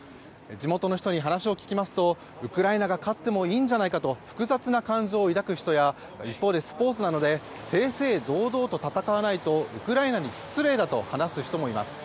地元の人に話を聞きますとウクライナが勝ってもいいんじゃないかと複雑な感情を抱く人や一方で、スポーツなので正々堂々と戦わないとウクライナに失礼だと話す人もいます。